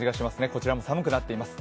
こちらも寒くなっています。